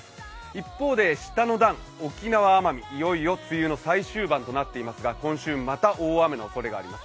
一方で下の段、奄美・沖縄ですがいよいよ梅雨の最終盤となっていますが今週、また大雨のおそれがあります